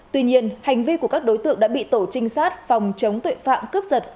tuy nhiên hành vi của các đối tượng đã bị tổ trinh sát phòng chống tội phạm cướp giật